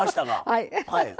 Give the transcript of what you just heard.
はい。